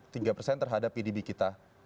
tiga persen terhadap pdb kita